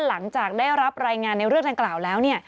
หลังจากได้รับรายงานในเรื่องดังกล่าวแล้ว